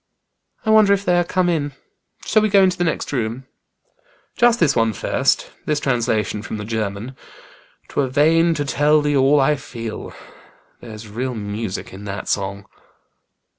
"I wonder if they are come in. Shall we go into the next room?" "Just this one first this translation from the German ' 'Twere vain to tell thee all I feel.' There's real music in that song."